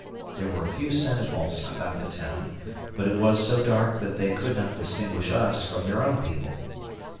There were a few sentinels about the town, but it was so dark that they could not distinguish us from their own people.